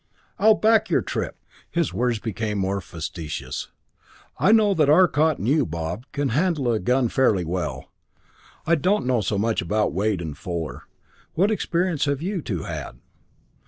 I'll back your trip!" His words became more facetious. "I know that Arcot and you, Bob, can handle a gun fairly well, I don't know so much about Wade and Fuller. What experience have you two had?"